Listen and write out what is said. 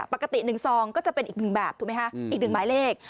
ปกติ๑ซองก็จะเป็นอีก๑แบบอีก๑หมายเลข